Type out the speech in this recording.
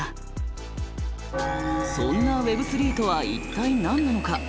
そんなＷｅｂ３とは一体何なのか？